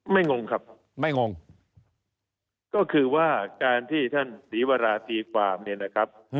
งงครับไม่งงก็คือว่าการที่ท่านศรีวราตีความเนี่ยนะครับ